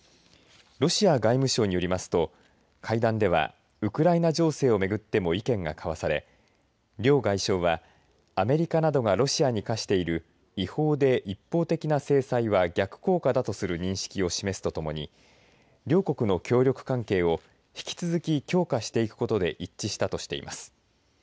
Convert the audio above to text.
ロシア外務省によりますと会談ではウクライナ情勢をめぐっても意見が交わされ両外相はアメリカなどがロシアに科している違法で一方的な制裁は逆効果だとする認識を示すとともに両国の協力関係を引き続き強化していくことで一致したとしています。